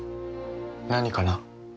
何かな？